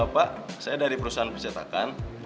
pak saya dari perusahaan percetakan